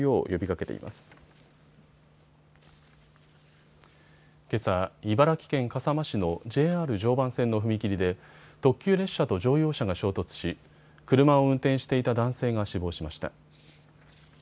けさ、茨城県笠間市のＪＲ常磐線の踏切で特急列車と乗用車が衝突し車を運転していた男性が死亡しました。